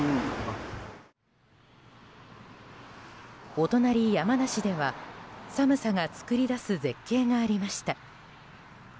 お隣、山梨では寒さが作り出す絶景がありました。